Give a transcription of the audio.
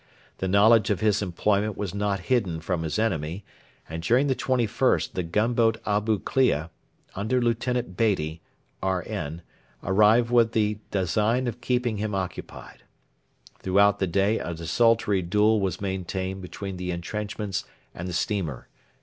The knowledge of his employment was not hidden from his enemy, and during the 21st the gunboat Abu Klea, under Lieutenant Beatty, R.N., arrived with the design of keeping him occupied. Throughout the day a desultory duel was maintained between the entrenchments and the steamer.